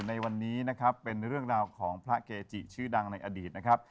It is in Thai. ในวันนี้นะครับเป็นเรื่องราวของพระเกจิชื่อดังในอดีตนะครับ